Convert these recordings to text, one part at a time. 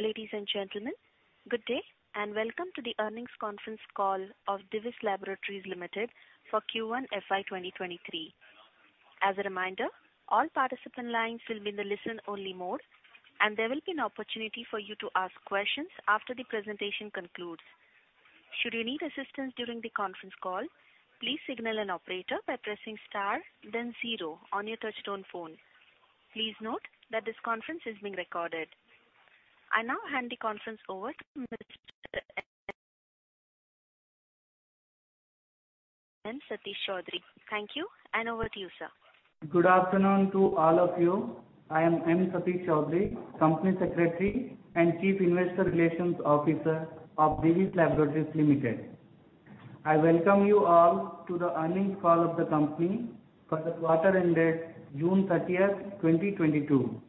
Ladies and gentlemen, good day, and welcome to the earnings conference call of Divi's Laboratories Limited for Q1 FY 2023. As a reminder, all participant lines will be in the listen-only mode, and there will be an opportunity for you to ask questions after the presentation concludes. Should you need assistance during the conference call, please signal an operator by pressing star then zero on your touchtone phone. Please note that this conference is being recorded. I now hand the conference over to Mr. M. Satish Choudhury. Thank you, and over to you, sir. Good afternoon to all of you. I am M. Satish Choudhury, company secretary and Chief Investor Relations Officer of Divi's Laboratories Limited. I welcome you all to the earnings call of the company for the quarter ended June 30th, 2022.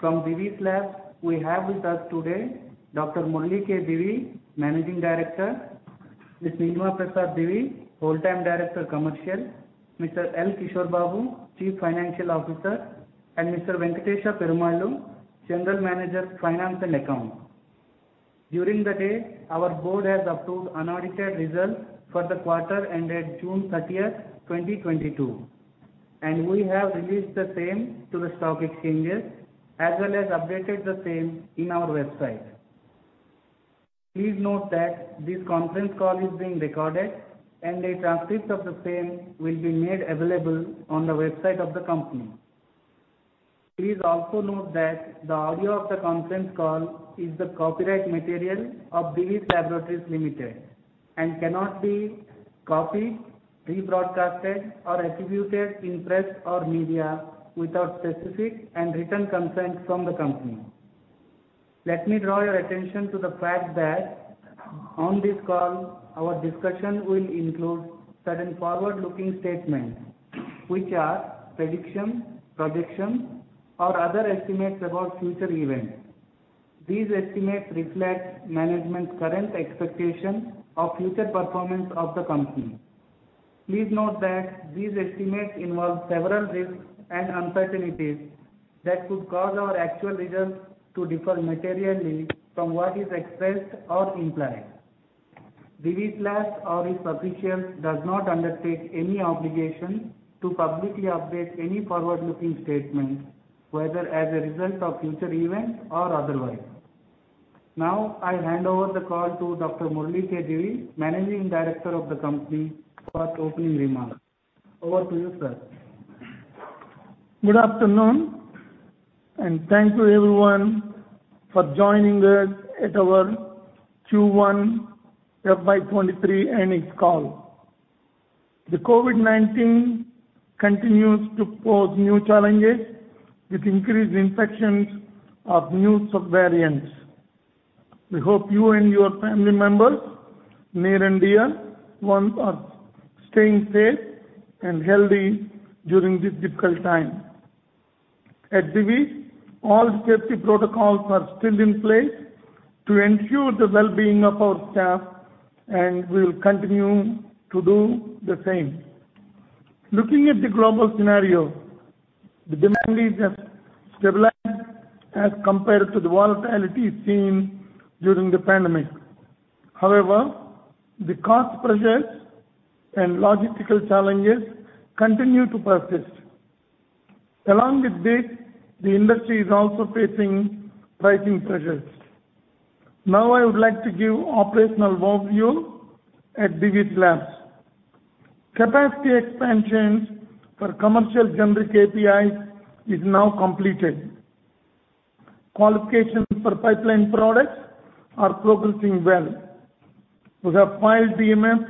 From Divi's Labs, we have with us today Dr. Murali K. Divi, Managing Director, Ms. Nilima Prasad Divi, Whole-time Director, Commercial, Mr. L. Kishore Babu, Chief Financial Officer, and Mr. Venkatesa Perumallu, General Manager, Finance and Accounts. During the day, our board has approved unaudited results for the quarter ended June 30th, 2022, and we have released the same to the stock exchanges, as well as updated the same in our website. Please note that this conference call is being recorded, and a transcript of the same will be made available on the website of the company. Please also note that the audio of the conference call is the copyright material of Divi's Laboratories Limited and cannot be copied, rebroadcast, or attributed in press or media without specific and written consent from the company. Let me draw your attention to the fact that on this call, our discussion will include certain forward-looking statements, which are predictions, projections, or other estimates about future events. These estimates reflect management's current expectations of future performance of the company. Please note that these estimates involve several risks and uncertainties that could cause our actual results to differ materially from what is expressed or implied. Divi's Labs or its officials does not undertake any obligation to publicly update any forward-looking statements, whether as a result of future events or otherwise. Now, I hand over the call to Dr. Murali K. Divi, Managing Director of the company, for opening remarks. Over to you, sir. Good afternoon, and thank you everyone for joining us at our Q1 FY 2023 earnings call. The COVID-19 continues to pose new challenges with increased infections of new subvariants. We hope you and your family members near and dear ones are staying safe and healthy during this difficult time. At Divi's, all safety protocols are still in place to ensure the well-being of our staff, and we'll continue to do the same. Looking at the global scenario, the demand is just stabilized as compared to the volatility seen during the pandemic. However, the cost pressures and logistical challenges continue to persist. Along with this, the industry is also facing pricing pressures. Now I would like to give operational overview at Divi's Labs. Capacity expansions for commercial generic APIs is now completed. Qualifications for pipeline products are progressing well. We have filed DMFs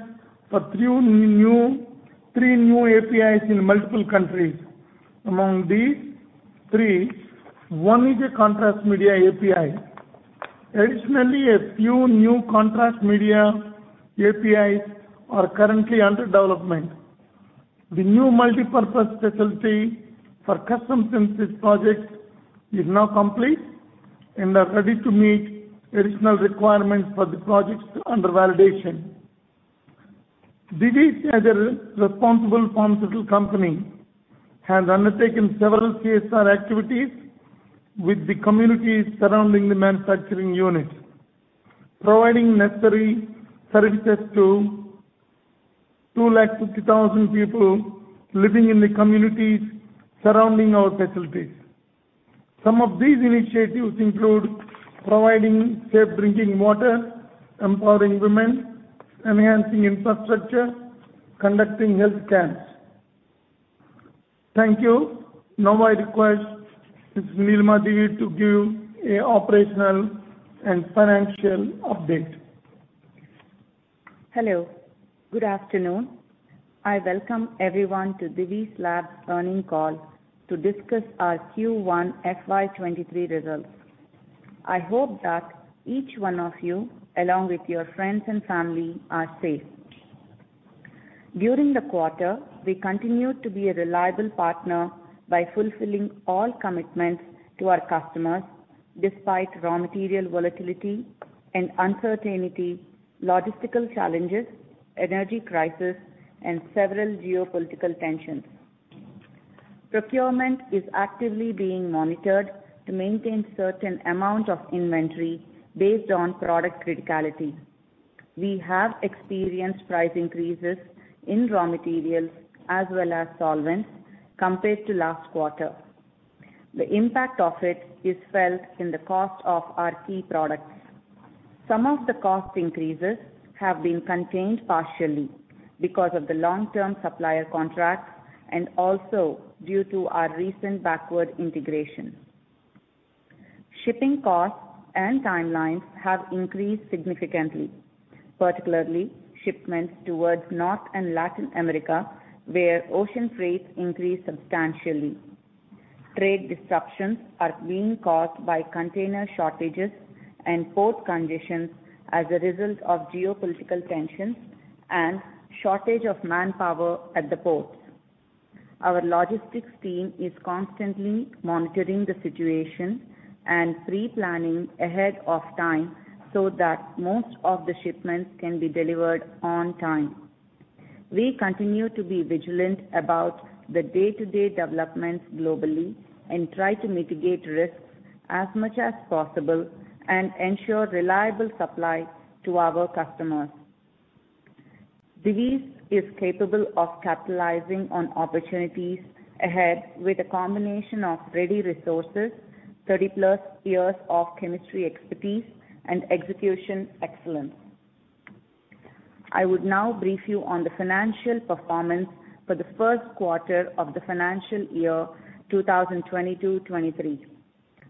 for three new APIs in multiple countries. Among these three, one is a contrast media API. Additionally, a few new contrast media APIs are currently under development. The new multipurpose facility for custom synthesis projects is now complete and are ready to meet additional requirements for the projects under validation. Divi's, as a responsible pharmaceutical company, has undertaken several CSR activities with the communities surrounding the manufacturing units, providing necessary services to 250,000 people living in the communities surrounding our facilities. Some of these initiatives include providing safe drinking water, empowering women, enhancing infrastructure, conducting health camps. Thank you. Now I request Ms. Nilima Divi to give an operational and financial update. Hello, good afternoon. I welcome everyone to Divi's Labs earnings call to discuss our Q1 FY 2023 results. I hope that each one of you, along with your friends and family, are safe. During the quarter, we continued to be a reliable partner by fulfilling all commitments to our customers despite raw material volatility and uncertainty, logistical challenges, energy crisis, and several geopolitical tensions. Procurement is actively being monitored to maintain certain amount of inventory based on product criticality. We have experienced price increases in raw materials as well as solvents compared to last quarter. The impact of it is felt in the cost of our key products. Some of the cost increases have been contained partially because of the long-term supplier contracts and also due to our recent backward integration. Shipping costs and timelines have increased significantly, particularly shipments towards North and Latin America, where ocean freights increased substantially. Trade disruptions are being caused by container shortages and port conditions as a result of geopolitical tensions and shortage of manpower at the ports. Our logistics team is constantly monitoring the situation and pre-planning ahead of time so that most of the shipments can be delivered on time. We continue to be vigilant about the day-to-day developments globally and try to mitigate risks as much as possible and ensure reliable supply to our customers. Divi's is capable of capitalizing on opportunities ahead with a combination of ready resources, 30+ years of chemistry expertise, and execution excellence. I would now brief you on the financial performance for the first quarter of the financial year 2022-2023.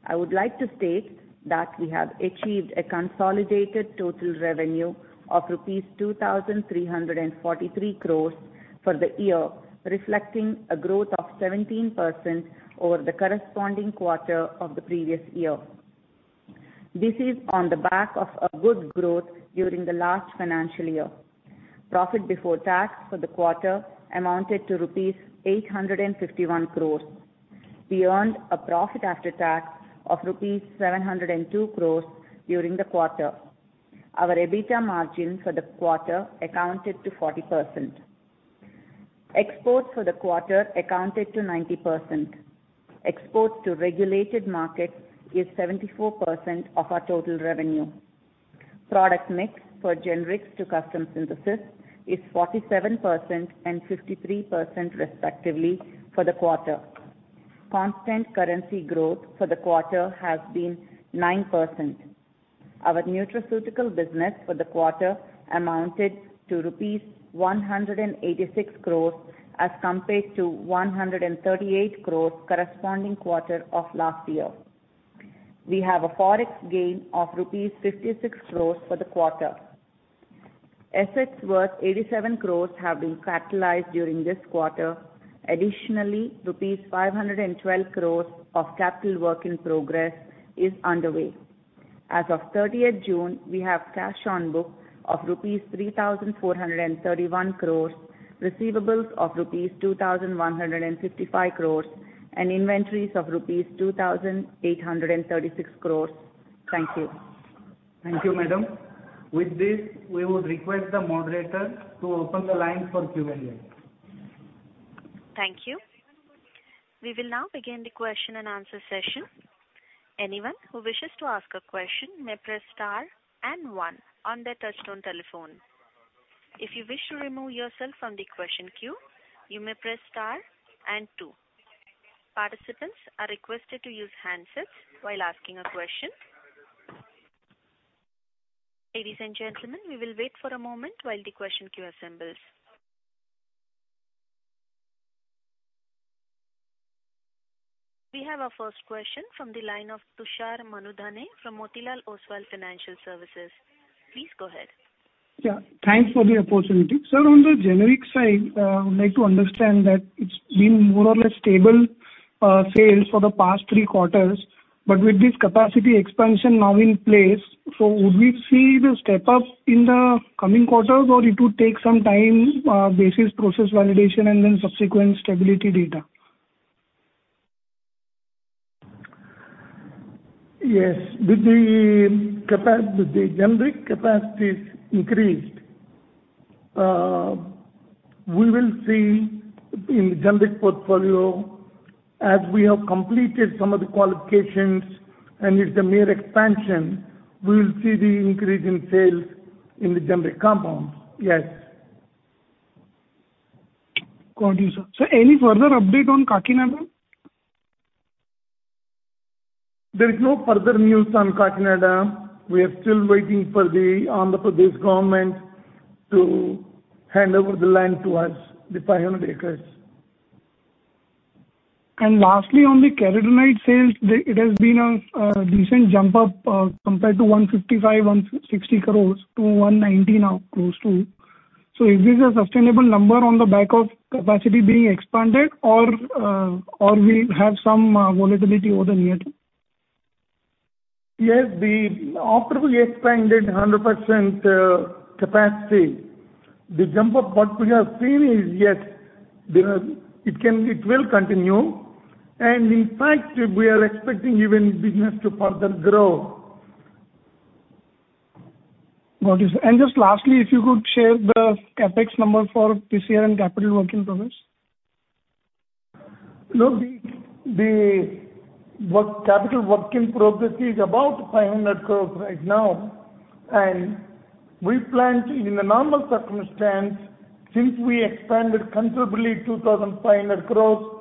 I would like to state that we have achieved a consolidated total revenue of rupees 2,343 crores for the year, reflecting a growth of 17% over the corresponding quarter of the previous year. This is on the back of a good growth during the last financial year. Profit before tax for the quarter amounted to rupees 851 crores. We earned a profit after tax of rupees 702 crores during the quarter. Our EBITDA margin for the quarter accounted to 40%. Exports for the quarter accounted to 90%. Exports to regulated markets is 74% of our total revenue. Product mix for generics to custom synthesis is 47% and 53% respectively for the quarter. Constant currency growth for the quarter has been 9%. Our nutraceutical business for the quarter amounted to rupees 186 crores as compared to 138 crores corresponding quarter of last year. We have a Forex gain of rupees 56 crores for the quarter. Assets worth 87 crores have been capitalized during this quarter. Additionally, rupees 512 crores of capital work in progress is underway. As of thirtieth June, we have cash on books of rupees 3,431 crores, receivables of rupees 2,155 crores, and inventories of rupees 2,836 crores. Thank you. Thank you, madam. With this, we would request the moderator to open the line for Q&A. Thank you. We will now begin the question-and-answer session. Anyone who wishes to ask a question may press star and one on their touchtone telephone. If you wish to remove yourself from the question queue, you may press star and two. Participants are requested to use handsets while asking a question. Ladies and gentlemen, we will wait for a moment while the question queue assembles. We have our first question from the line of Tushar Manudhane from Motilal Oswal Financial Services. Please go ahead. Yeah, thanks for the opportunity. Sir, on the generic side, I would like to understand that it's been more or less stable sales for the past three quarters. With this capacity expansion now in place, so would we see the step up in the coming quarters, or it would take some time, based on process validation and then subsequent stability data? Yes. With the generic capacities increased, we will see in the generic portfolio, as we have completed some of the qualifications, and with the major expansion, we will see the increase in sales in the generic compounds. Yes. Got you, sir. Sir, any further update on Kakinada? There is no further news on Kakinada. We are still waiting for the Andhra Pradesh government to hand over the land to us, the 500 acres. Lastly, on the carotenoid sales, it has been a decent jump up compared to 155 crore-160 crore to 190 crore now, close to. Is this a sustainable number on the back of capacity being expanded or we have some volatility over the near term? Yes. After we expanded 100% capacity, the jump of what we have seen is, yes, there are. It can, it will continue. In fact, we are expecting even business to further grow. Just lastly, if you could share the CapEx number for this year and capital work in progress. No, the working capital work in progress is about 500 crores right now. We plan to, in a normal circumstance, since we expanded considerably 2,500 crores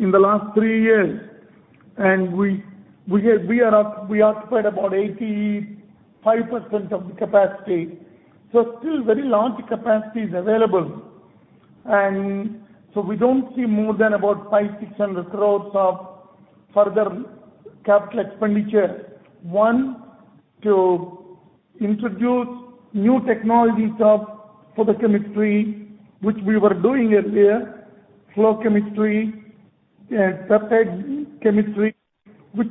in the last three years, and we have occupied about 85% of the capacity. Still very large capacity is available. We don't see more than about 500 crores-600 crores of further capital expenditure to introduce new technologies of photochemistry, which we were doing earlier, flow chemistry and peptide chemistry. These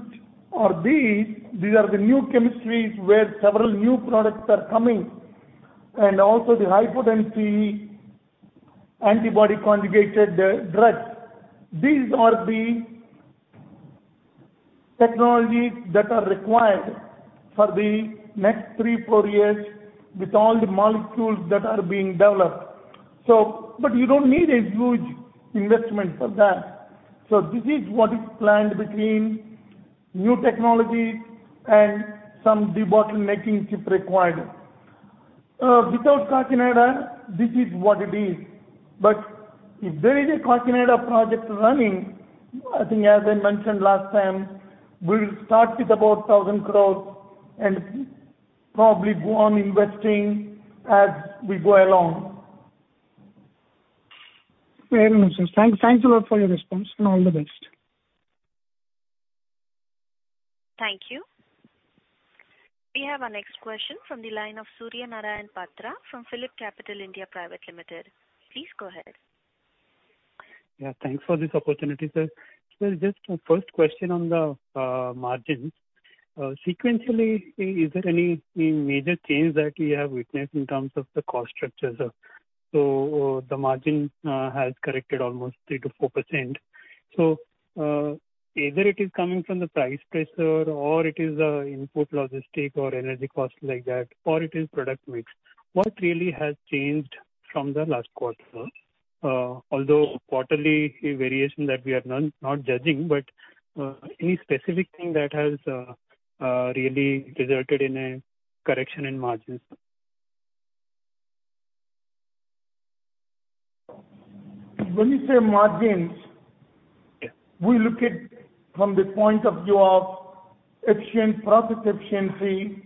are the new chemistries where several new products are coming, and also the high-potency antibody-drug conjugates. These are the technologies that are required for the next three-four years with all the molecules that are being developed. You don't need a huge investment for that. This is what is planned between new technology and some debottlenecking if required. Without Kakinada, this is what it is. If there is a Kakinada project running, I think as I mentioned last time, we'll start with about 1,000 crore and probably go on investing as we go along. Very nice, sir. Thanks, thanks a lot for your response, and all the best. Thank you. We have our next question from the line of Surya Narayan Patra from PhillipCapital (India) Private Limited. Please go ahead. Yeah, thanks for this opportunity, sir. Just a first question on the margins. Sequentially, is there any major change that we have witnessed in terms of the cost structures? The margin has corrected almost 3%-4%. Either it is coming from the price pressure or it is input logistics or energy costs like that, or it is product mix. What really has changed from the last quarter? Although quarterly variation that we are not judging, but any specific thing that has really resulted in a correction in margins. When you say margins. Yeah. We look at from the point of view of efficiency, profitability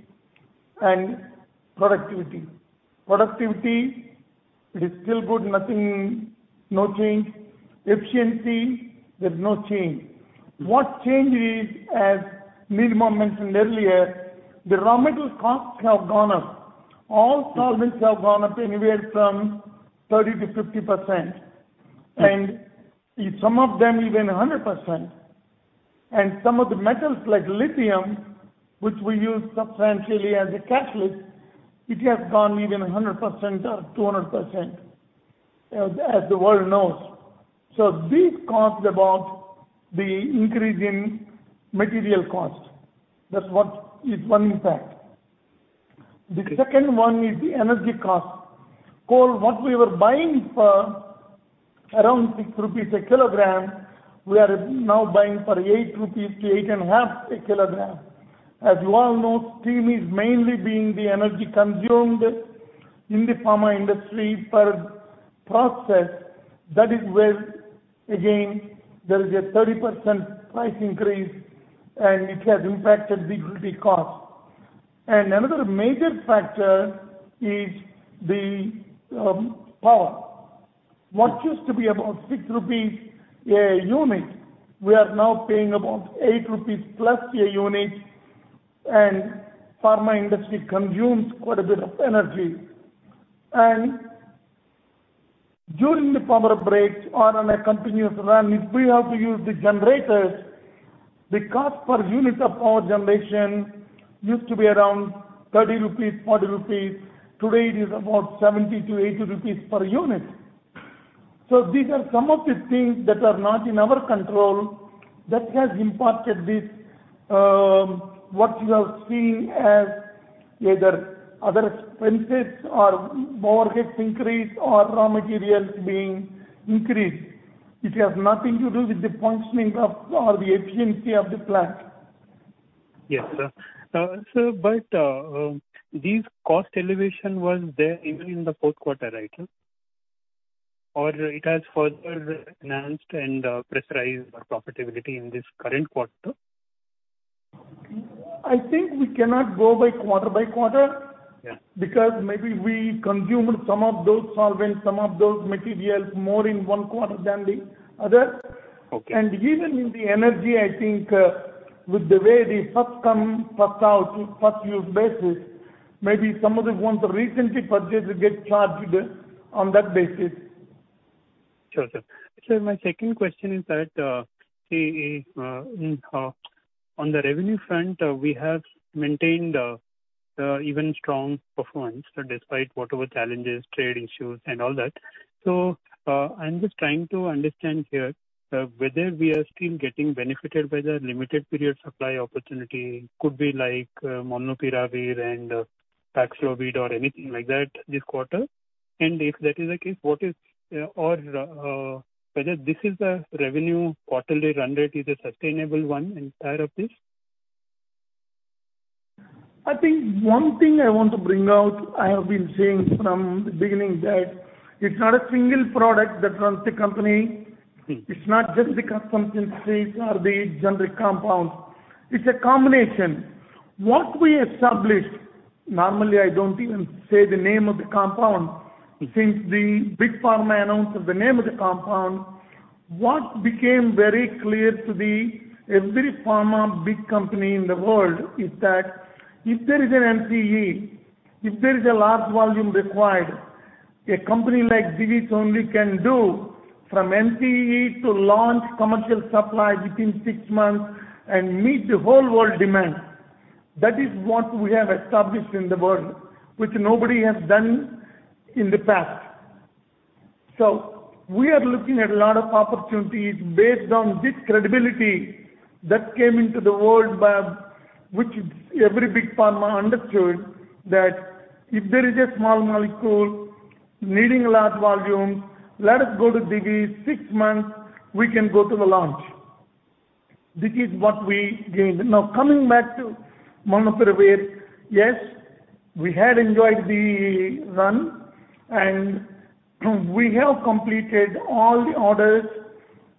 and productivity. Productivity, it is still good, nothing, no change. Efficiency, there's no change. What changed is, as Nilima mentioned earlier, the raw material costs have gone up. All solvents have gone up anywhere from 30%-50%. Yeah. Some of them even 100%. Some of the metals like lithium, which we use substantially as a catalyst, it has gone even 100% or 200%, as the world knows. These caused about the increase in material cost. That's what is one impact. Okay. The second one is the energy cost. Coal, what we were buying for around 6 rupees a kg, we are now buying for 8 rupees to 8.5 a kg. As you all know, steam is mainly being the energy consumed in the pharma industry per process. That is where, again, there is a 30% price increase, and it has impacted the utility cost. Another major factor is the power. What used to be about 6 rupees a unit, we are now paying about 8+ rupees a unit, and pharma industry consumes quite a bit of energy. During the power breaks or on a continuous run, if we have to use the generators, the cost per unit of power generation used to be around 30 rupees, 40 rupees. Today it is about 70-80 rupees per unit. These are some of the things that are not in our control that has impacted this, what you are seeing as either other expenses or overheads increase or raw materials being increased. It has nothing to do with the functioning of or the efficiency of the plant. Yes, sir. This cost elevation was there even in the fourth quarter, right? Or it has further enhanced and pressurized our profitability in this current quarter? I think we cannot go by quarter by quarter. Yeah. Because maybe we consumed some of those solvents, some of those materials more in one quarter than the other. Okay. Even in the energy, I think, with the way the first come, first out, first use basis, maybe some of the ones recently purchased will get charged on that basis. Sure, sir. Sir, my second question is that on the revenue front, we have maintained even strong performance despite whatever challenges, trade issues and all that. I'm just trying to understand here, whether we are still getting benefited by the limited period supply opportunity. Could be like, molnupiravir and Paxlovid or anything like that this quarter? If that is the case, what is, or, whether this is the revenue quarterly run rate is a sustainable one entire of this? I think one thing I want to bring out, I have been saying from the beginning that it's not a single product that runs the company. Mm-hmm. It's not just the custom synthesis or the generic compound. It's a combination. What we established. Normally, I don't even say the name of the compound. Since the big pharma announced the name of the compound, what became very clear to every big pharma company in the world is that if there is an NCE, if there is a large volume required, a company like Divi's only can do from NCE to launch commercial supply within six months and meet the whole world demand. That is what we have established in the world, which nobody has done in the past. We are looking at a lot of opportunities based on this credibility that came into the world by which every big pharma understood that if there is a small molecule needing large volumes, let us go to Divi's, six months, we can go to the launch. This is what we gained. Coming back to molnupiravir, yes, we had enjoyed the run, and we have completed all the orders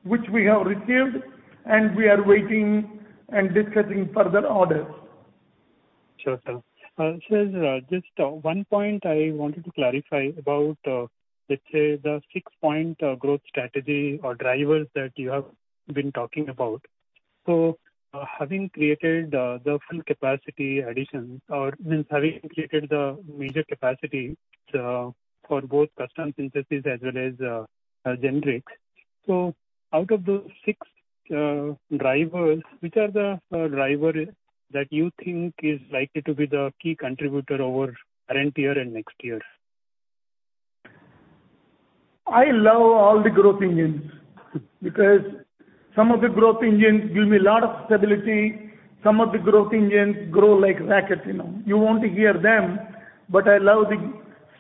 which we have received, and we are waiting and discussing further orders. Sure, sir. Sir, just one point I wanted to clarify about, let's say, the six-point growth strategy or drivers that you have been talking about. Having created the major capacity, so for both custom synthesis as well as generics. Out of those six drivers, which are the driver that you think is likely to be the key contributor over current year and next year? I love all the growth engines. Some of the growth engines give me a lot of stability. Some of the growth engines grow like rockets, you know. You want to hear them, but I love the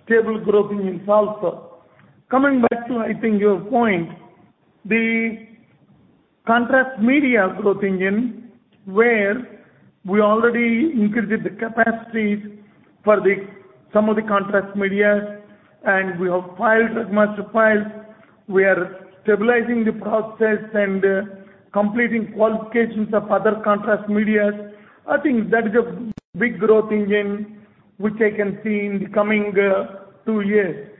stable growth engines also. Coming back to, I think, your point, the contrast media growth engine, where we already increased the capacities for some of the contrast media, and we have filed DMFs to file. We are stabilizing the process and completing qualifications of other contrast media. I think that is a big growth engine which I can see in the coming two years.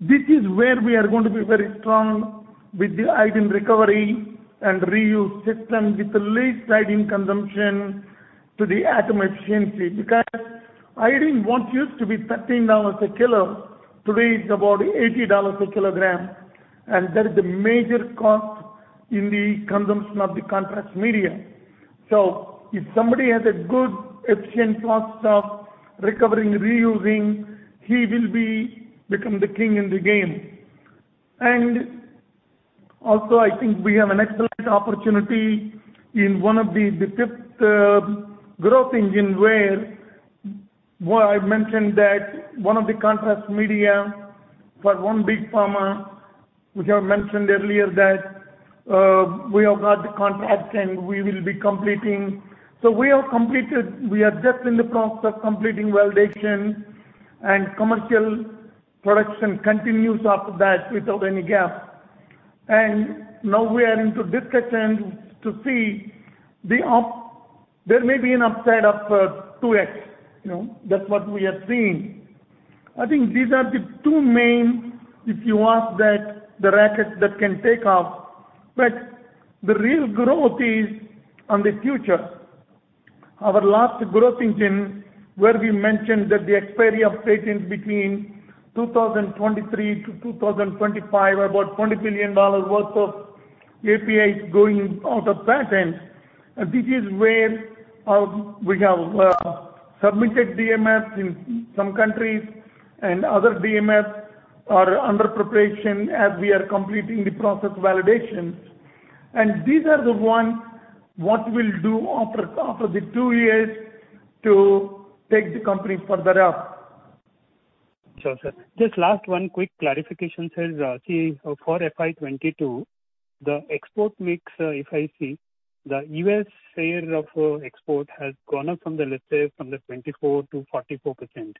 This is where we are going to be very strong with the iodine recovery and reuse system, with the least iodine consumption to the atom efficiency. Iodine once used to be $13 a kilo. Today it's about $80 a kg. That is the major cost in the consumption of the contrast media. If somebody has a good efficient process of recovering, reusing, he will be become the king in the game. I think we have an excellent opportunity in one of the fifth growth engine, where I've mentioned that one of the contrast media for one big pharma, which I've mentioned earlier, that we have got the contract and we will be completing. We are just in the process of completing validation and commercial production continues after that without any gap. Now we are into discussions to see there may be an upside of 2x, you know. That's what we have seen. I think these are the two main, if you ask that, the rockets that can take off. The real growth is in the future. Our last growth engine, where we mentioned that the expiry of patents between 2023 to 2025, about $20 billion worth of APIs going out of patent. This is where we have submitted DMFs in some countries and other DMFs are under preparation as we are completing the process validations. These are the ones that we'll do after the two years to take the company further up. Sure, sir. Just last one quick clarification, sir. See, for FY 2022, the export mix, if I see, the U.S. share of export has gone up from, let's say, 24% to 44%.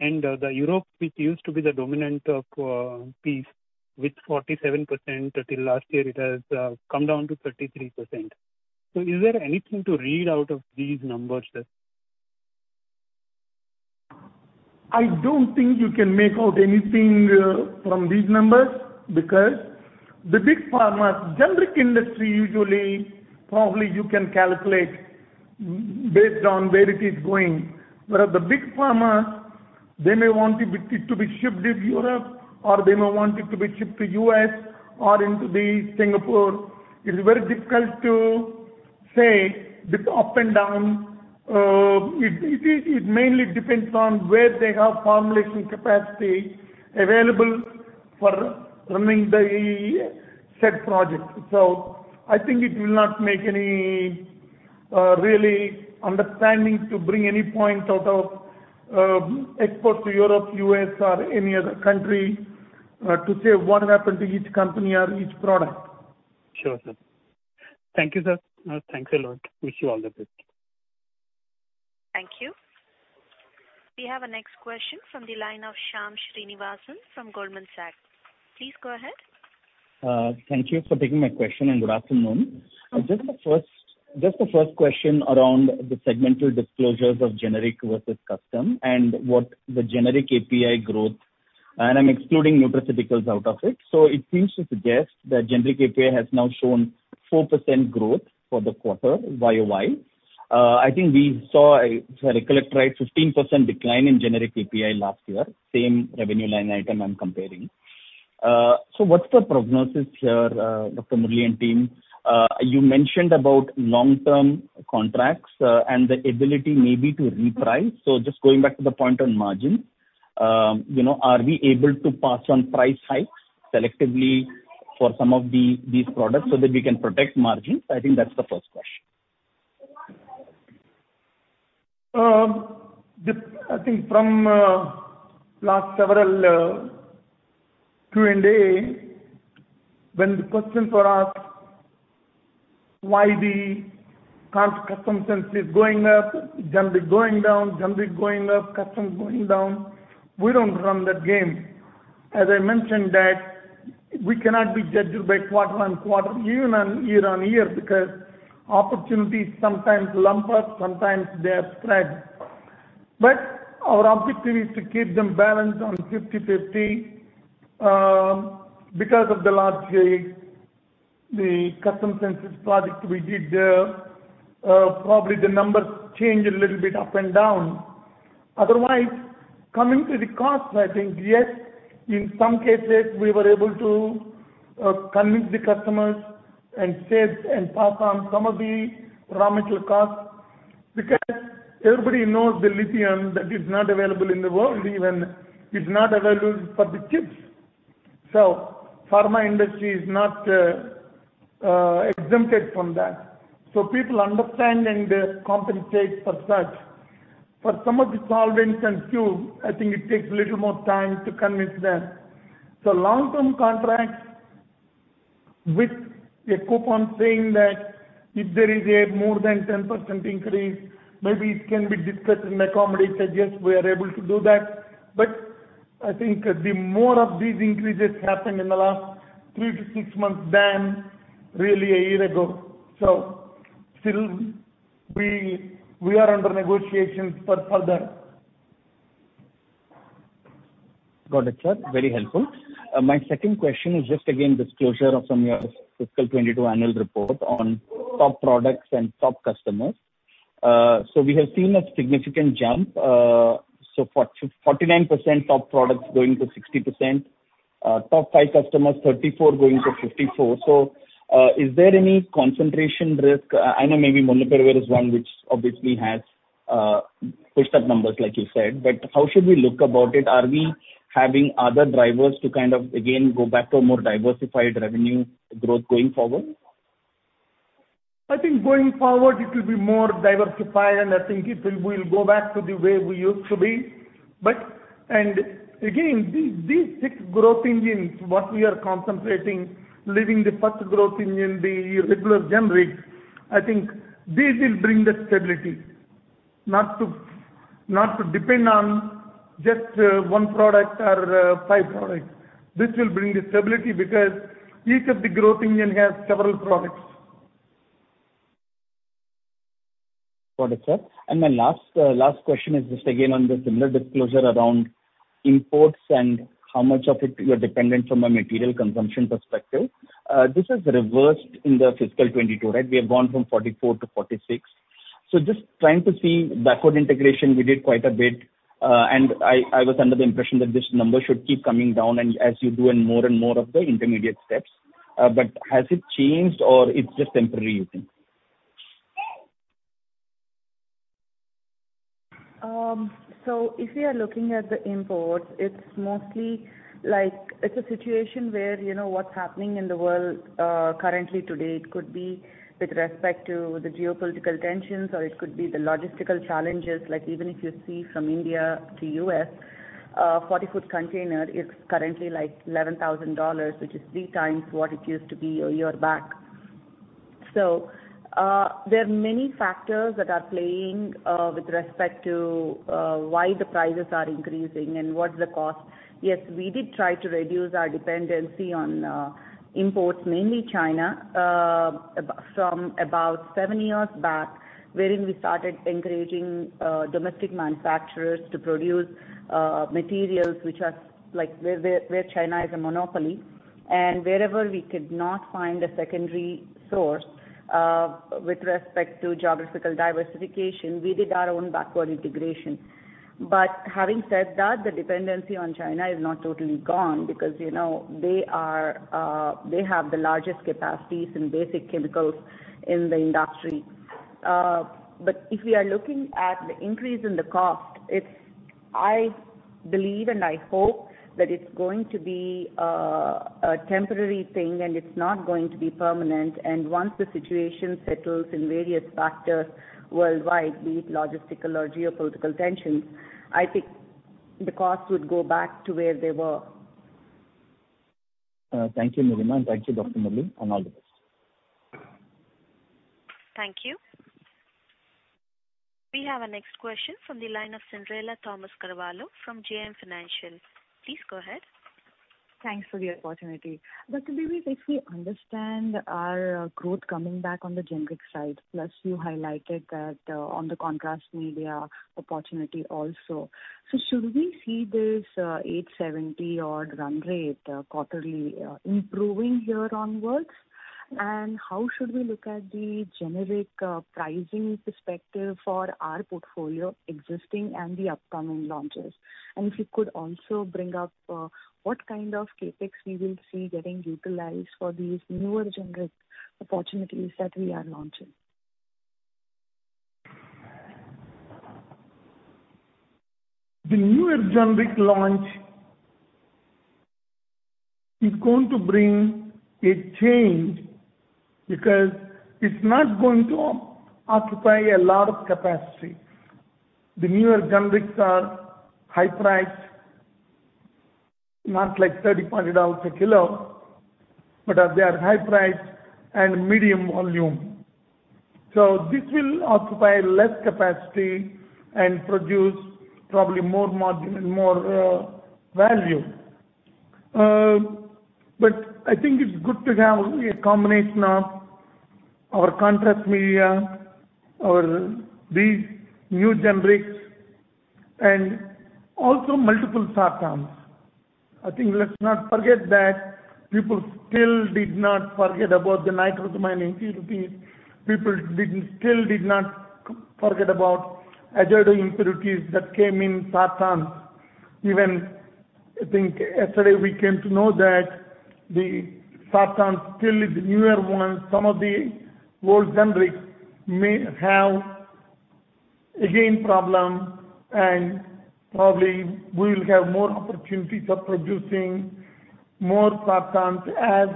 The Europe, which used to be the dominant piece with 47%, until last year it has come down to 33%. Is there anything to read out of these numbers, sir? I don't think you can make out anything from these numbers because the big pharma generic industry usually probably you can calculate based on where it is going. Whereas the big pharma they may want it to be shipped in Europe or they may want it to be shipped to U.S. or into Singapore. It is very difficult to say with the up and down. It mainly depends on where they have formulation capacity available for running these projects. I think it will not make any real understanding to bring any point out of exports to Europe, U.S. or any other country to say what happened to each company or each product. Sure, sir. Thank you, sir. Thanks a lot. Wish you all the best. Thank you. We have our next question from the line of Shyam Srinivasan from Goldman Sachs. Please go ahead. Thank you for taking my question, and good afternoon. Good afternoon. Just the first question around the segmental disclosures of generic versus custom and what the generic API growth, and I'm excluding nutraceuticals out of it. It seems to suggest that generic API has now shown 4% growth for the quarter YoY. I think we saw, if I recollect right, 15% decline in generic API last year, same revenue line item I'm comparing. What's the prognosis here, Dr. Murali and team? You mentioned about long-term contracts, and the ability maybe to reprice. Just going back to the point on margin, you know, are we able to pass on price hikes selectively for some of these products so that we can protect margins? I think that's the first question. I think from last several Q&A, when the questions were asked why the costs custom synthesis is going up, generic going down, generic going up, custom going down, we don't run that game. As I mentioned that we cannot be judged by quarter-on-quarter, even on year-on-year, because opportunities sometimes are lumpy, sometimes they are spread. Our objective is to keep them balanced on 50/50. Because of the large custom synthesis project we did there, probably the numbers change a little bit up and down. Otherwise, coming to the cost, I think yes, in some cases, we were able to convince the customers and save and pass on some of the raw material costs, because everybody knows the lithium that is not available in the world, even it's not available for the chips. Pharma industry is not exempted from that. People understand and compensate for such. For some of the solvents and crude, I think it takes a little more time to convince them. Long-term contracts with a clause saying that if there is a more than 10% increase, maybe it can be discussed and accommodated. Yes, we are able to do that. But I think though more of these increases happened in the last three-six months than really a year ago. Still we are under negotiations for further. Got it, sir. Very helpful. My second question is just again disclosure of some of your fiscal 2022 annual report on top products and top customers. We have seen a significant jump. For 49% top products going to 60%, top five customers, 34% going to 54%. Is there any concentration risk? I know maybe Molnupiravir is one which obviously has pushed up numbers, like you said, but how should we look about it? Are we having other drivers to kind of again go back to a more diversified revenue growth going forward? I think going forward, it will be more diversified, and I think it will, we'll go back to the way we used to be. Again, these six growth engines, what we are concentrating, leaving the first growth engine, the regular generic, I think this will bring the stability. Not to depend on just, one product or, five products. This will bring the stability because each of the growth engine has several products. Got it, sir. My last question is just again on the similar disclosure around imports and how much of it you are dependent from a material consumption perspective. This has reversed in the fiscal 2022, right? We have gone from 44% to 46%. Just trying to see backward integration we did quite a bit, and I was under the impression that this number should keep coming down and as you do in more and more of the intermediate steps. Has it changed or it's just temporary, you think? If we are looking at the imports, it's mostly like it's a situation where, you know, what's happening in the world, currently today. It could be with respect to the geopolitical tensions, or it could be the logistical challenges. Like even if you see from India to U.S., 40-foot container is currently like $11,000, which is 3 times what it used to be a year back. There are many factors that are playing with respect to why the prices are increasing and what's the cost. Yes, we did try to reduce our dependency on imports, mainly China, from about seven years back, wherein we started encouraging domestic manufacturers to produce materials which are like where China is a monopoly. Wherever we could not find a secondary source with respect to geographical diversification, we did our own backward integration. Having said that, the dependency on China is not totally gone because they have the largest capacities in basic chemicals in the industry. If we are looking at the increase in the cost, it's, I believe and I hope that it's going to be a temporary thing, and it's not going to be permanent. Once the situation settles in various factors worldwide, be it logistical or geopolitical tensions, I think the costs would go back to where they were. Thank you, Nilima, and thank you, Dr. Murali, and all the best. Thank you. We have our next question from the line of Cyndrella Thomas Carvalho from JM Financial. Please go ahead. Thanks for the opportunity. Dr. Murali K. Divi, if we understand our growth coming back on the generic side, plus you highlighted that on the contrast media opportunity also. Should we see this 870-odd quarterly run rate improving here onwards? How should we look at the generic pricing perspective for our portfolio existing and the upcoming launches? If you could also bring up what kind of CapEx we will see getting utilized for these newer generic opportunities that we are launching. The newer generic launch is going to bring a change because it's not going to occupy a lot of capacity. The newer generics are high priced, not like $30-$40 a kilo, but they are high priced and medium volume. This will occupy less capacity and produce probably more margin and more value. I think it's good to have a combination of our contrast media, these new generics and also multiple Sartan. I think let's not forget that people still did not forget about the nitrosamine impurities. People still did not forget about azido impurities that came in Sartan. Even I think yesterday we came to know that the Sartan still is the newer one. Some of the old generics may have again problem, and probably we'll have more opportunities of producing more Sartan as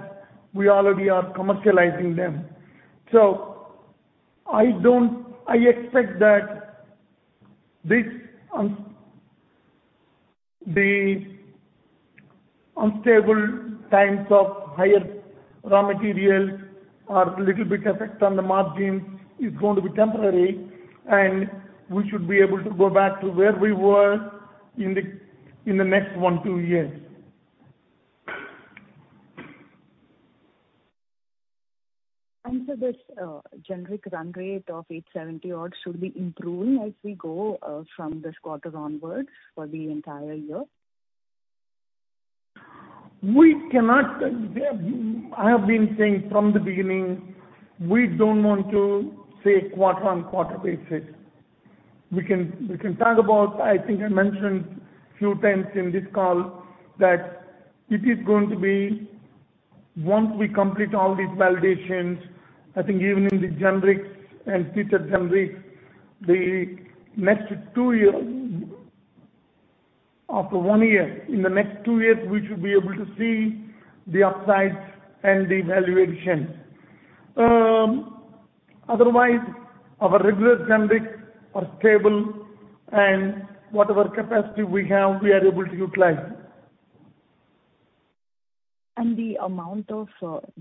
we already are commercializing them. I expect that the unstable times of higher raw materials are little bit effect on the margins is going to be temporary, and we should be able to go back to where we were in the next one-two years. This generic run rate of 870 crore should be improving as we go from this quarter onwards for the entire year. I have been saying from the beginning, we don't want to say quarter-on-quarter basis. We can talk about. I think I mentioned few times in this call that it is going to be once we complete all these validations. I think even in the generics and featured generics, the next two year, after one year, in the next two years, we should be able to see the upsides and the valuation. Otherwise our regular generics are stable, and whatever capacity we have, we are able to utilize. The amount of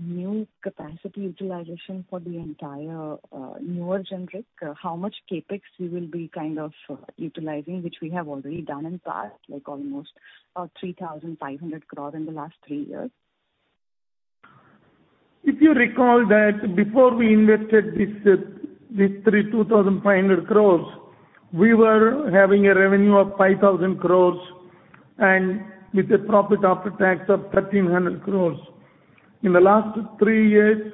new capacity utilization for the entire newer generic, how much CapEx you will be kind of utilizing, which we have already done in past, like almost 3,500 crore in the last three years. If you recall that before we invested this 3,250 crores, we were having a revenue of 5,000 crores and with a profit after tax of 1,300 crores. In the last three years,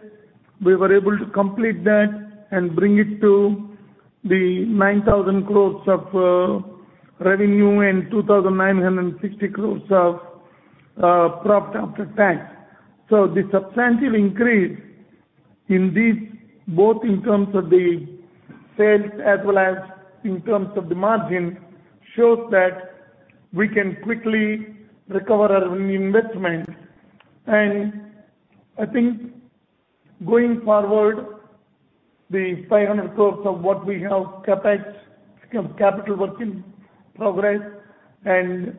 we were able to complete that and bring it to the 9,000 crores of revenue and 2,960 crores of profit after tax. The substantive increase in these, both in terms of the sales as well as in terms of the margin, shows that we can quickly recover our investment. I think going forward, the 500 crores of what we have CapEx, capital work in progress and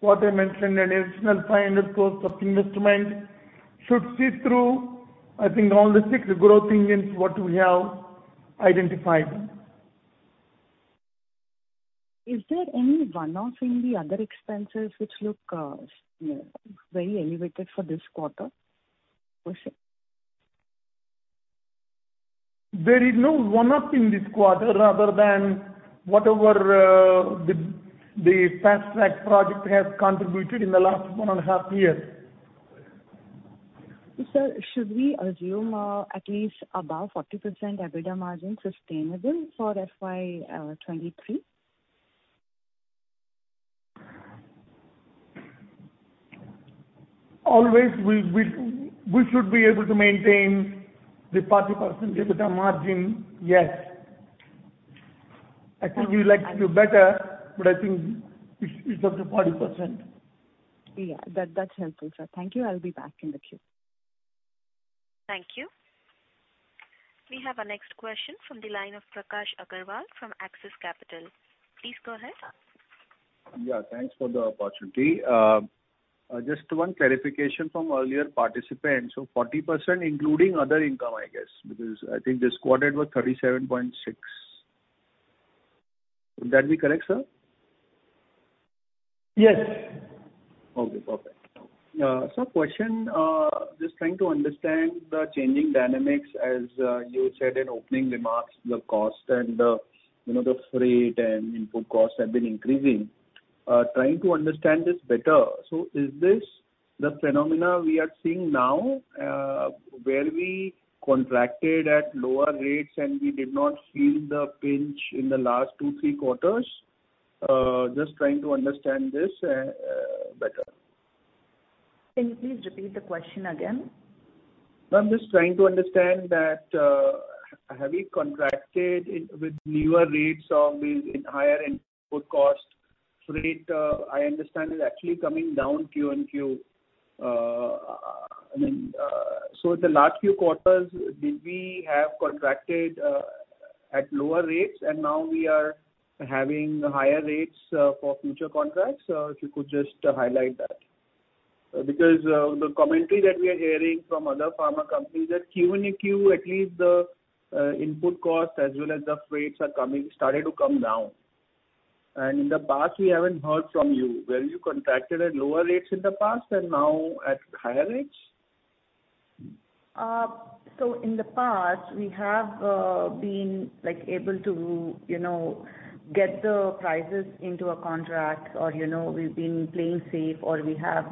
what I mentioned, an additional 500 crores of investment should see through, I think all the six growth engines what we have identified. Is there any one-off in the other expenses which look, you know, very elevated for this quarter? There is no one-off in this quarter other than whatever, the Fast Track project has contributed in the last one and a half years. Sir, should we assume at least above 40% EBITDA margin sustainable for FY 2023? Always we should be able to maintain the 40% EBITDA margin, yes. Okay. I think we'd like to do better, but I think it's up to 40%. Yeah. That, that's helpful, sir. Thank you. I'll be back in the queue. Thank you. We have our next question from the line of Prakash Agarwal from Axis Capital. Please go ahead. Yeah, thanks for the opportunity. Just one clarification from earlier participant. 40% including other income, I guess, because I think this quarter it was 37.6%. Would that be correct, sir? Yes. Okay, perfect. Sir, question, just trying to understand the changing dynamics as you said in opening remarks, the cost and you know, the freight and input costs have been increasing. Trying to understand this better. Is this the phenomenon we are seeing now, where we contracted at lower rates and we did not feel the pinch in the last two, three quarters? Just trying to understand this better. Can you please repeat the question again? No, I'm just trying to understand that, have we contracted in with newer rates or with higher input costs? Freight, I understand is actually coming down QoQ. So the last few quarters, did we have contracted at lower rates and now we are having higher rates for future contracts? If you could just highlight that. Because the commentary that we are hearing from other pharma companies that QoQ at least the input costs as well as the freights are coming, starting to come down. In the past we haven't heard from you. Were you contracted at lower rates in the past and now at higher rates? In the past we have been like able to you know get the prices into a contract or you know we've been playing safe or we have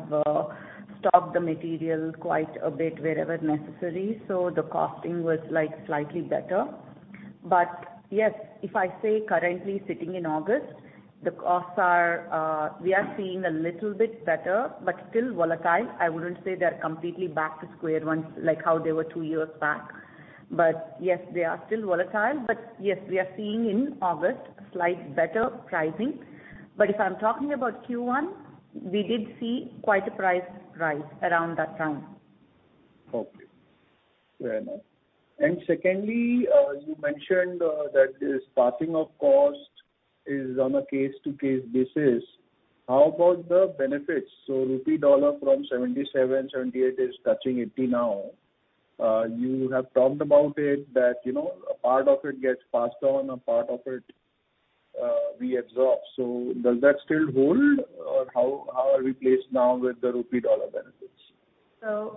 stocked the material quite a bit wherever necessary. The costing was like slightly better. Yes, if I say currently sitting in August, the costs are we are seeing a little bit better but still volatile. I wouldn't say they're completely back to square one, like how they were two years back. Yes, they are still volatile. Yes, we are seeing in August a slight better pricing. If I'm talking about Q1, we did see quite a price rise around that time. Okay. Fair enough. Secondly, you mentioned that this passing of cost is on a case to case basis. How about the benefits? Rupee dollar from 77-78 is touching 80 now. You have talked about it that a part of it gets passed on, a part of it, we absorb. Does that still hold or how are we placed now with the rupee dollar benefits?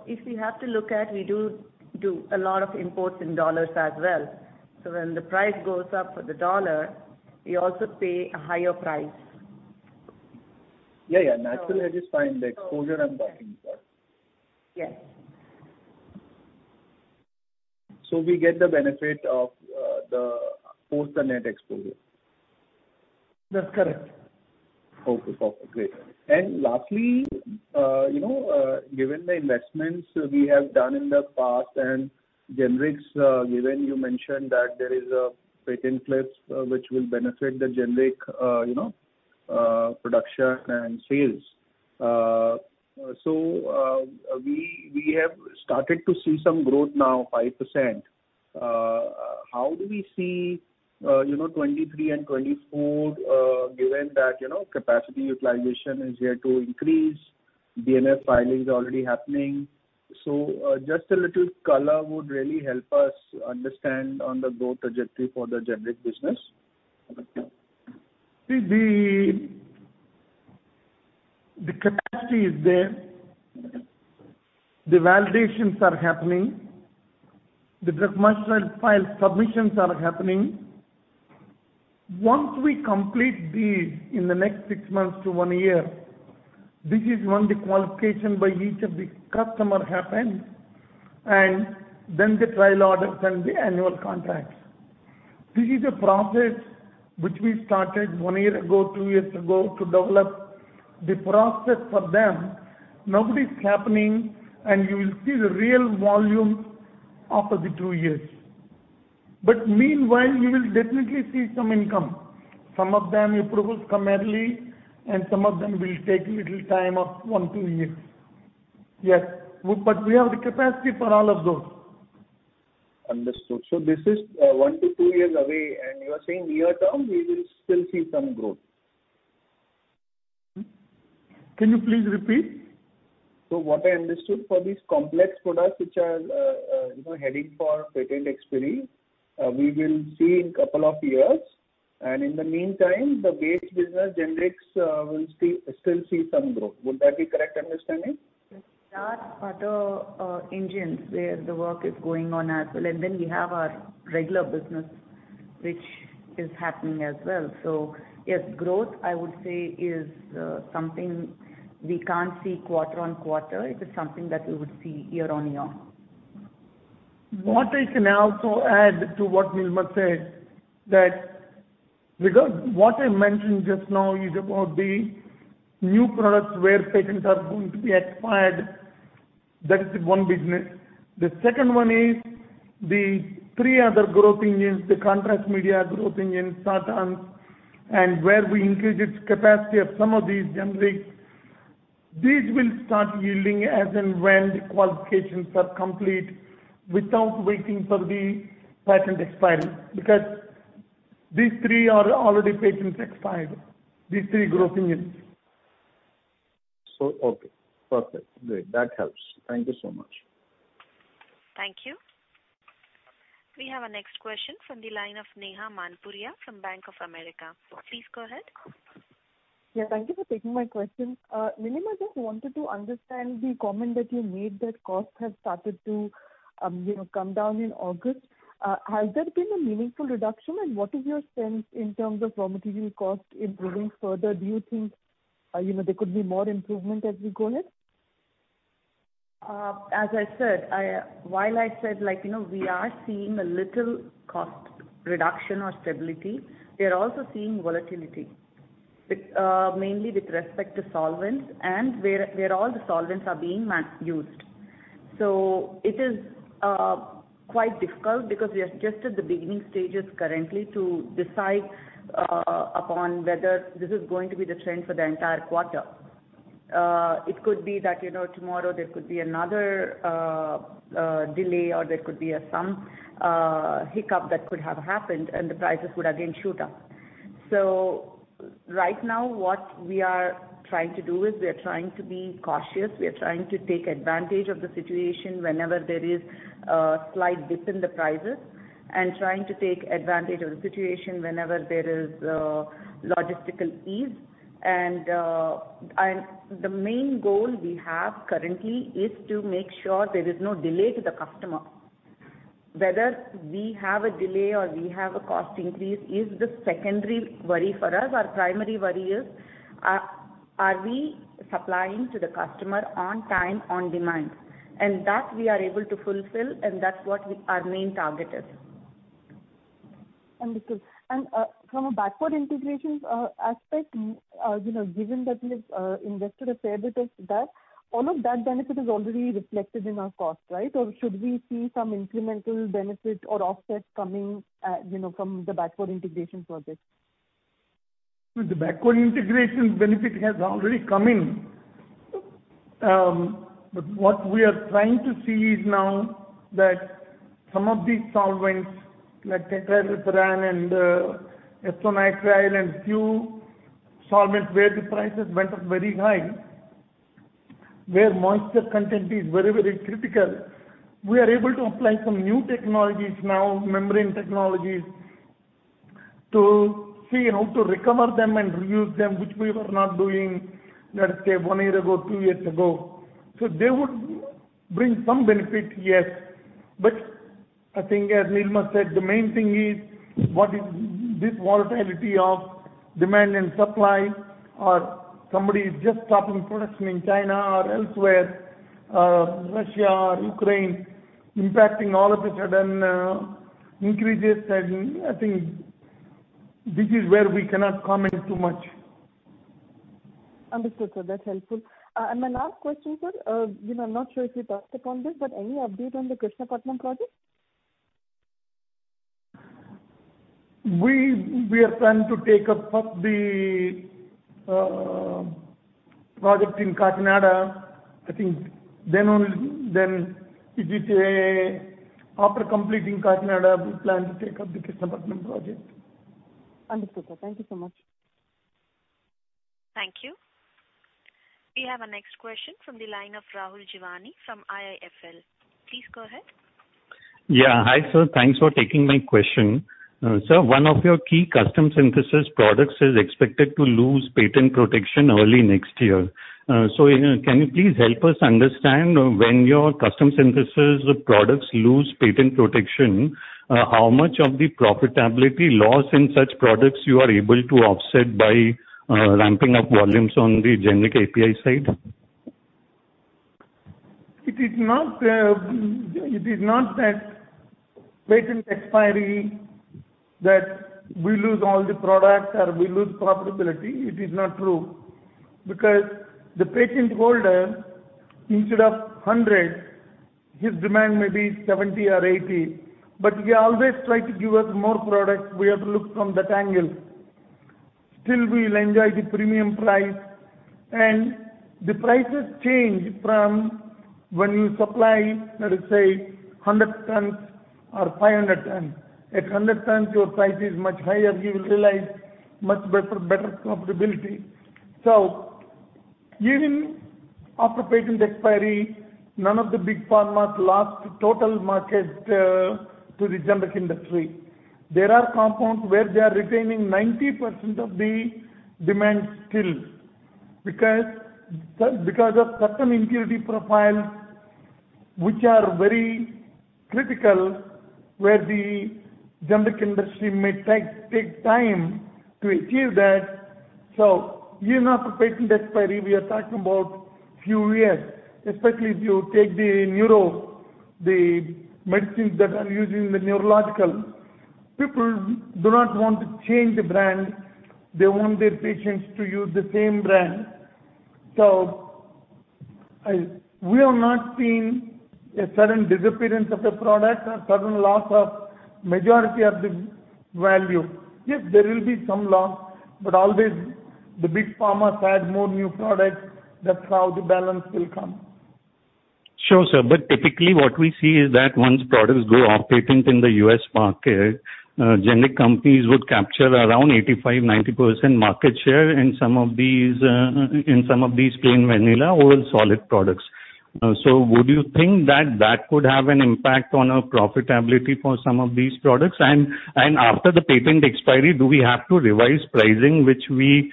If we have to look at, we do a lot of imports in dollars as well. When the price goes up for the dollar, we also pay a higher price. Yeah, yeah. Naturally, I just find the exposure I'm talking about. Yes. We get the benefit of the positive net exposure? That's correct. Okay. Perfect. Great. Lastly, you know, given the investments we have done in the past and generics, given you mentioned that there is a patent cliff, which will benefit the generic, you know, production and sales. We have started to see some growth now 5%. How do we see, you know, 2023 and 2024, given that, you know, capacity utilization is yet to increase, DMF filing is already happening. Just a little color would really help us understand on the growth trajectory for the generic business. The capacity is there. The validations are happening. The drug master file submissions are happening. Once we complete these in the next six months to one year, this is when the qualification by each of the customer happens, and then the trial orders and the annual contracts. This is a process which we started one year ago, two years ago, to develop the process for them. Now it is happening and you will see the real volume after the two years. Meanwhile you will definitely see some income. Some of the approvals come early and some of them will take little time of one, two years. Yes. We have the capacity for all of those. Understood. This is one-two years away, and you are saying near term we will still see some growth. Can you please repeat? What I understood for these complex products which are, you know, heading for patent expiry, we will see in couple of years. In the meantime, the base business generics will still see some growth. Would that be correct understanding? That's part of engines where the work is going on as well. We have our regular business which is happening as well. Yes, growth I would say is something we can't see quarter-over-quarter. It is something that we would see year-over-year. What I can also add to what Nilima said, that because what I mentioned just now is about the new products where patents are going to be expired. That is one business. The second one is the three other growth engines, the contrast media growth engine, Sartans, and where we increase its capacity of some of these generics. These will start yielding as and when the qualifications are complete without waiting for the patent expiry, because these three are already patents expired, these three growth engines. Okay. Perfect. Great. That helps. Thank you so much. Thank you. We have our next question from the line of Neha Manpuria from Bank of America. Please go ahead. Yeah, thank you for taking my question. Nilima, just wanted to understand the comment that you made that costs have started to, you know, come down in August. Has there been a meaningful reduction? And what is your sense in terms of raw material cost improving further? Do you think, you know, there could be more improvement as we go ahead? As I said, while I said like, you know, we are seeing a little cost reduction or stability, we are also seeing volatility with mainly with respect to solvents and where all the solvents are being used. It is quite difficult because we are just at the beginning stages currently to decide upon whether this is going to be the trend for the entire quarter. It could be that, you know, tomorrow there could be another delay or there could be some hiccup that could have happened and the prices would again shoot up. Right now what we are trying to do is we are trying to be cautious. We are trying to take advantage of the situation whenever there is a slight dip in the prices and trying to take advantage of the situation whenever there is logistical ease. The main goal we have currently is to make sure there is no delay to the customer. Whether we have a delay or we have a cost increase is the secondary worry for us. Our primary worry is, are we supplying to the customer on time, on demand? That we are able to fulfill, and that's what our main target is. Understood. From a backward integration aspect, you know, given that, you know, investor has said that all of that benefit is already reflected in our cost, right? Or should we see some incremental benefit or offset coming, you know, from the backward integration project? The backward integration benefit has already come in. What we are trying to see is now that some of these solvents like tetraethyl orthosilicate and acetonitrile and few solvents where the prices went up very high, where moisture content is very, very critical, we are able to apply some new technologies now, membrane technologies, to see how to recover them and reuse them, which we were not doing, let's say, one year ago, two years ago. They would bring some benefit, yes. I think as Nilima said, the main thing is what is this volatility of demand and supply or somebody is just stopping production in China or elsewhere, Russia or Ukraine impacting all of a sudden, increases and I think this is where we cannot comment too much. Understood, sir. That's helpful. My last question, sir, you know, I'm not sure if you touched upon this, but any update on the Krishnapatnam project? We are planning to take up the project in Kakinada. I think only after completing Kakinada, we plan to take up the Krishnapatnam project. Understood, sir. Thank you so much. Thank you. We have our next question from the line of Rahul Jeewani from IIFL. Please go ahead. Yeah. Hi, sir. Thanks for taking my question. Sir, one of your key custom synthesis products is expected to lose patent protection early next year. You know, can you please help us understand when your custom synthesis products lose patent protection, how much of the profitability loss in such products you are able to offset by ramping up volumes on the generic API side? It is not that patent expiry that we lose all the products or we lose profitability. It is not true. Because the patent holder, instead of 100, his demand may be 70 or 80, but he always tries to give us more products. We have to look from that angle. Still, we will enjoy the premium price and the prices change from when you supply, let us say, 100 tons or 500 tons. At 100 tons, your price is much higher, you will realize much better profitability. Even after patent expiry, none of the big pharmas lost total market to the generic industry. There are compounds where they are retaining 90% of the demand still. Of certain impurity profile, which are very critical, where the generic industry may take time to achieve that. Even after patent expiry, we are talking about few years, especially if you take the neuro, the medicines that are used in the neurological, people do not want to change the brand. They want their patients to use the same brand. We have not seen a sudden disappearance of the product or sudden loss of majority of the value. Yes, there will be some loss, but always the big pharmas add more new products. That's how the balance will come. Sure, sir. Typically what we see is that once products go off patent in the U.S. market, generic companies would capture around 85%-90% market share in some of these plain vanilla oral solid products. Would you think that could have an impact on our profitability for some of these products? After the patent expiry, do we have to revise pricing which we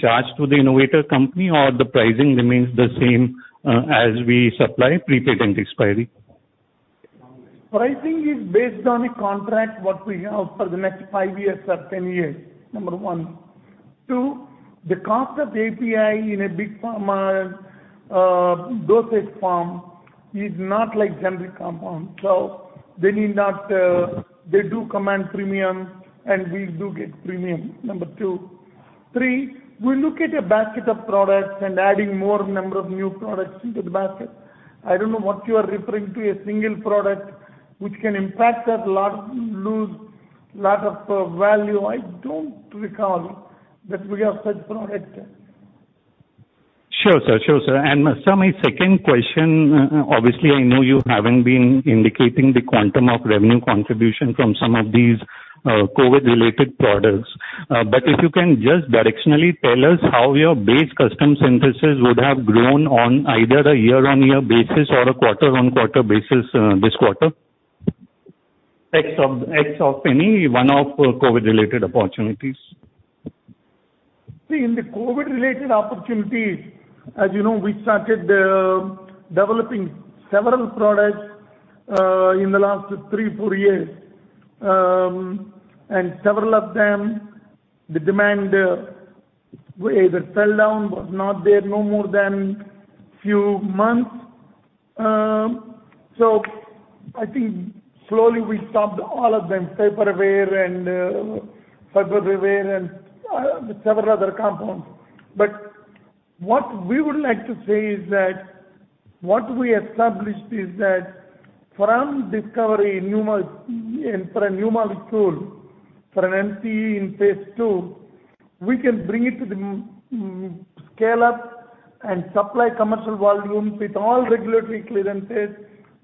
charge to the innovator company, or the pricing remains the same as we supply pre-patent expiry? Pricing is based on a contract that we have for the next five years or 10 years, number one. Two, the cost of API in a big pharma dosage form is not like generic compound, so they need not. They do command premium, and we do get premium, number two. Three, we look at a basket of products and adding more number of new products into the basket. I don't know what you are referring to, a single product which can impact a lot, lose a lot of value. I don't recall that we have such product. Sure, sir. Sir, my second question, obviously I know you haven't been indicating the quantum of revenue contribution from some of these COVID-related products. But if you can just directionally tell us how your base custom synthesis would have grown on either a year-over-year basis or a quarter-over-quarter basis, this quarter? Excluding any one-off COVID-related opportunities. See, in the COVID-related opportunities, as you know, we started developing several products in the last three, four years. Several of them, the demand either fell down, was not there no more than few months. I think slowly we stopped all of them, Favipiravir and several other compounds. What we would like to say is that what we established is that from discovery for a new molecule, for an API in phase II, we can bring it to the scale-up and supply commercial volume with all regulatory clearances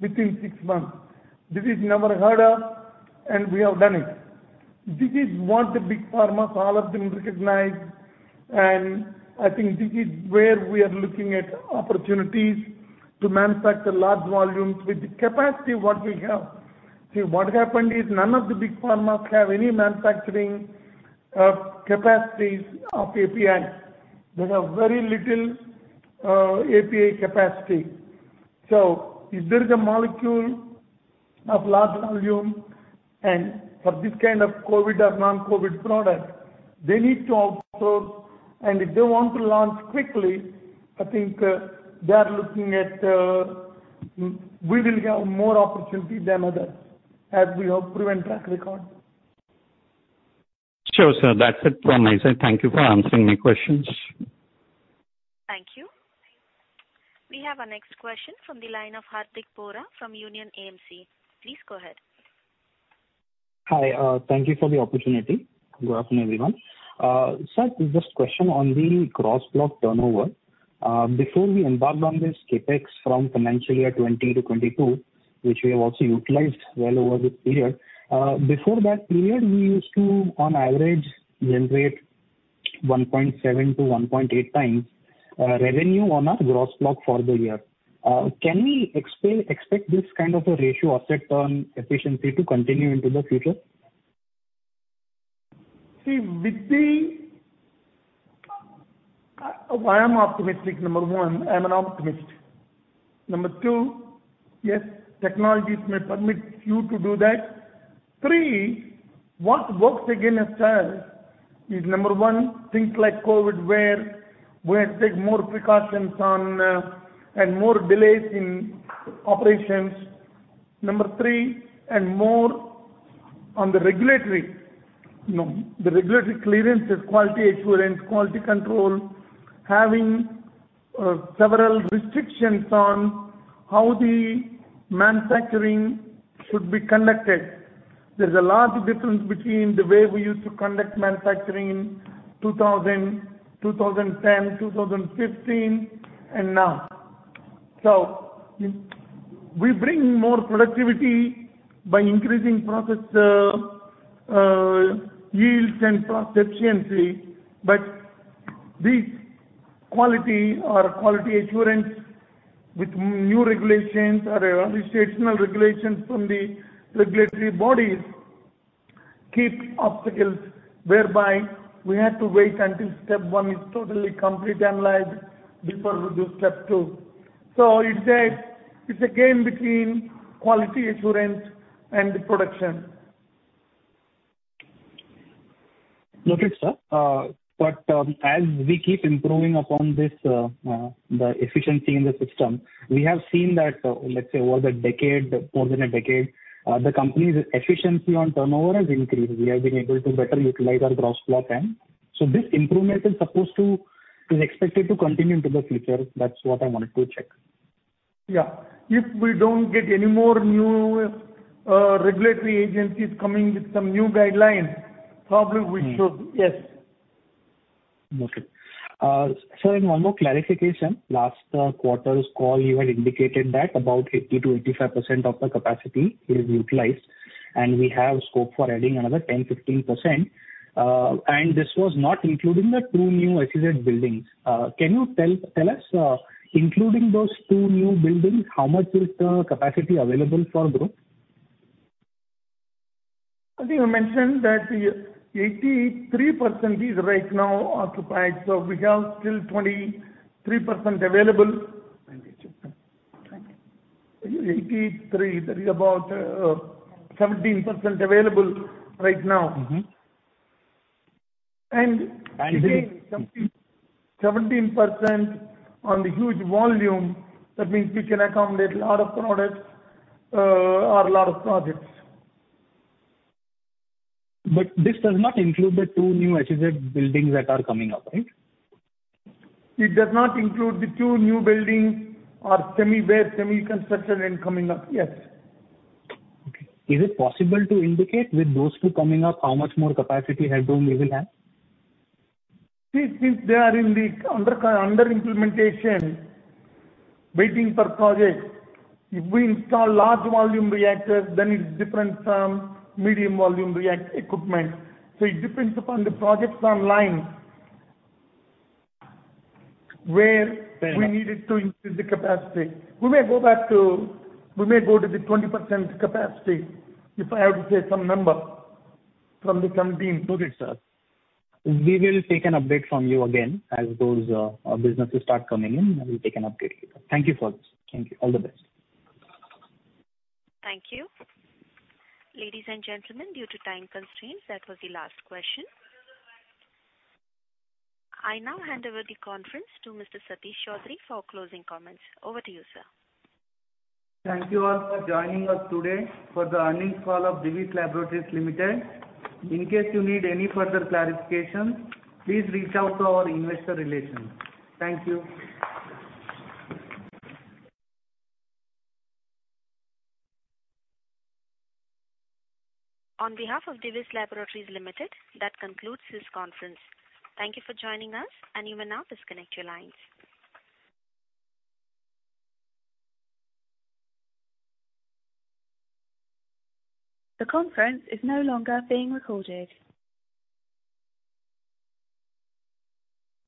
within six months. This is never heard of, and we have done it. This is what the big pharmas, all of them recognize, and I think this is where we are looking at opportunities to manufacture large volumes with the capacity what we have. See, what happened is none of the big pharmas have any manufacturing capacities of API. They have very little API capacity. If there is a molecule of large volume, and for this kind of COVID or non-COVID product, they need to outsource. If they want to launch quickly, I think they are looking at. We will have more opportunity than others, as we have proven track record. Sure, sir. That's it from my side. Thank you for answering my questions. Thank you. We have our next question from the line of Hardick Bora from Union AMC. Please go ahead. Hi. Thank you for the opportunity. Good afternoon, everyone. Sir, just question on the gross block turnover. Before we embarked on this CapEx from financial year 2020 to 2022, which we have also utilized well over this period, before that period, we used to on average generate 1.7-1.8 times revenue on our gross block for the year. Can we expect this kind of a ratio asset turn efficiency to continue into the future? I am optimistic, one. I'm an optimist. Two, yes, technologies may permit you to do that. Three, what works against us is, one, things like COVID, where we have to take more precautions on, and more delays in operations. Three, and more on the regulatory. You know, the regulatory clearances, quality assurance, quality control, having several restrictions on how the manufacturing should be conducted. There's a large difference between the way we used to conduct manufacturing in 2000, 2010, 2015, and now. We bring more productivity by increasing process yields and process efficiency. These quality assurance with new regulations or revised regulations from the regulatory bodies keep obstacles whereby we have to wait until step one is totally complete, analyzed before we do step two. You said it's a game between quality assurance and the production. Okay, sir. As we keep improving upon this, the efficiency in the system, we have seen that, let's say over the decade, more than a decade, the company's efficiency on turnover has increased. We have been able to better utilize our gross block. This improvement is expected to continue into the future. That's what I wanted to check. Yeah. If we don't get any more new regulatory agencies coming with some new guidelines, probably we should. Yes. Okay. Sir, one more clarification. Last quarter's call you had indicated that about 80%-85% of the capacity is utilized, and we have scope for adding another 10-15%. This was not including the two new SEZ Unit. Can you tell us, including those two new buildings, how much is the capacity available for growth? I think I mentioned that 83% is right now occupied, so we have still 23% available. 83, that is about 17% available right now. Mm-hmm. And again- And- 17% on the huge volume, that means we can accommodate a lot of products or a lot of projects. This does not include the two new SEZ units that are coming up, right? It does not include the two new buildings or semi-ware, semi-construction and coming up, yes. Okay. Is it possible to indicate with those two coming up, how much more capacity headroom you will have? Since they are under implementation, waiting for projects, if we install large volume reactors, then it's different from medium volume reactor equipment. It depends upon the projects online where Fair enough. We needed to increase the capacity. We may go to the 20% capacity if I have to say some number from the company. Got it, sir. We will take an update from you again as those businesses start coming in, and we'll take an update later. Thank you for this. Thank you. All the best. Thank you. Ladies and gentlemen, due to time constraints, that was the last question. I now hand over the conference to Mr. Satish Choudhury for closing comments. Over to you, sir. Thank you all for joining us today for the earnings call of Divi's Laboratories Limited. In case you need any further clarification, please reach out to our investor relations. Thank you. On behalf of Divi's Laboratories Limited, that concludes this conference. Thank you for joining us, and you may now disconnect your lines. The conference is no longer being recorded.